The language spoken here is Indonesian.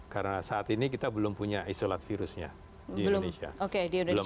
karena saat ini kita belum punya isolat virusnya di indonesia